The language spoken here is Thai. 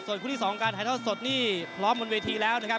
ส่วนคู่ที่สองการไฮทัลสดนี้พร้อมบนเวทีแล้วนะครับ